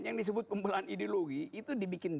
yang disebut pembelahan ideologi itu dibikin